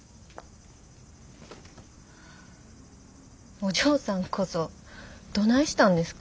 お嬢さんこそどないしたんですか？